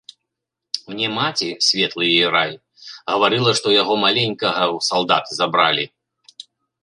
Мне маці, светлы ёй рай, гаварыла, што яго маленькага ў салдаты забралі.